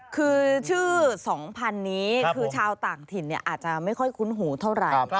คือชื่อสองพันนี้คือชาวต่างถิ่นเนี่ยอาจจะไม่ค่อยคุ้นหูเท่าไร